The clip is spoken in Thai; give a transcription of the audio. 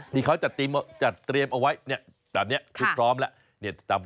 ที่เขาจัดเตรียมเอาไว้แบบนี้คือพร้อมแล้ว